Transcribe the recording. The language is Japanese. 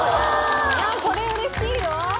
これうれしいよ！